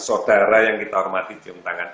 saudara yang kita hormati jam tangan